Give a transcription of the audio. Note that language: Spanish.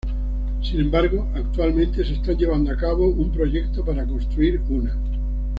Sin embargo, actualmente se está llevando a cabo un proyecto para construir una.